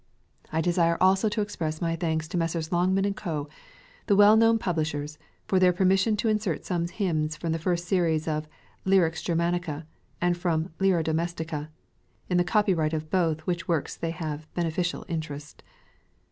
I desire also to express my thanks to Messrs. Longman & Co., the well known publishers, fur their permission to insert some hymns from the first series of "Lyrics Ger manica," and from "Lyra Domestica," in the copyright of both which works they have a ben eficial interest.